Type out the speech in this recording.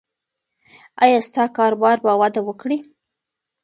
ایا ستا کاروبار به وده وکړي؟